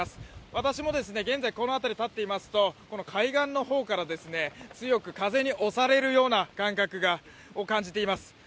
私も現在、この辺りに立っていますと、海岸の方から強く風に押されるような感覚を感じています。